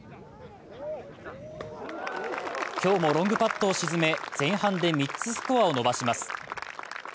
今日もロングパットを沈め、前半で３つスコアを伸ばします。